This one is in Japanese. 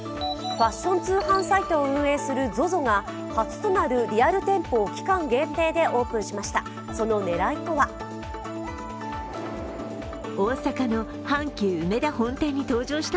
ファッション通販サイトを運営するＺＯＺＯが初となるリアル店舗を期間限定でオープンしました。